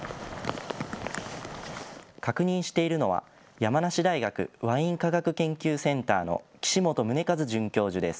確認しているのは山梨大学ワイン科学研究センターの岸本宗和准教授です。